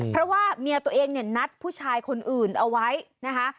เพราะว่าเมียตัวเองเนี่ยนัดผู้ชายคนอื่นเอาไว้นะคะ